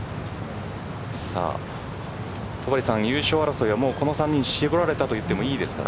戸張さん、優勝争いはこの３人絞られたといってもいいですか。